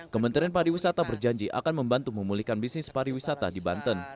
kementerian pariwisata berjanji akan membantu memulihkan bisnis pariwisata di banten